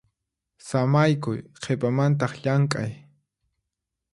Samaykuy qhipamantaq llamk'ay.